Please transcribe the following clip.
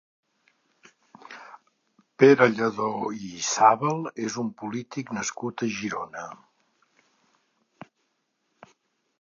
Pere Lladó i Isàbal és un polític nascut a Girona.